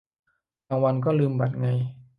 บางวันก็ลืมบัตรไง